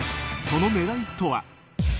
その狙いとは。